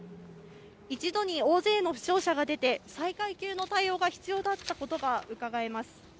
一度に大勢の負傷者が出て、災害級の対応が必要だったことがうかがえます。